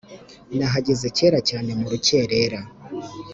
Nahageze kare cyane murukerera